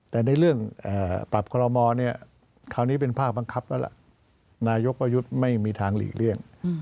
แต่ในเรื่องปรับคอลโมเนี่ยคราวนี้เป็นภาคบังคับแล้วล่ะนายกประยุทธ์ไม่มีทางหลีกเลี่ยง